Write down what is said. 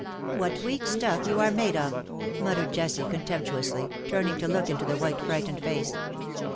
''" What weak stuff you are made of," muttered Jessie, contemptuously, turning to look into the white frightened face.